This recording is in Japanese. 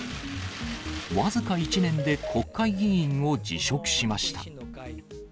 僅か１年で国会議員を辞職しました。